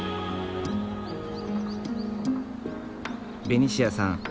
ベニシアさん